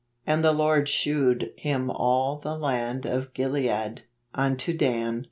And the Lord shewed him all the land of Gilead, unto Dan